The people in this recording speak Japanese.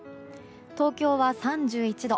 東京は３１度。